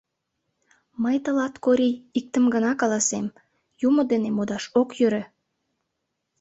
Мый тылат, Корий, иктым гына каласем: юмо дене модаш ок йӧрӧ.